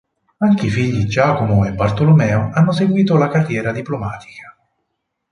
Anche i figli Giacomo e Bartolomeo hanno seguito la carriera diplomatica.